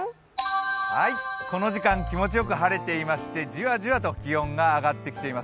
この時間気持ちよく晴れていまして、じわじわと気温が上がってきています。